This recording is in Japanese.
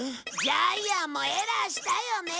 ジャイアンもエラーしたよね？